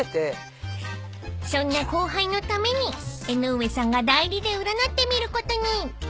［そんな後輩のために江上さんが代理で占ってみることに］